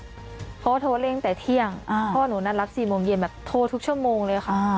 เพราะว่าโทรเร่งแต่เที่ยงเพราะว่าหนูนัดรับ๔โมงเย็นแบบโทรทุกชั่วโมงเลยค่ะ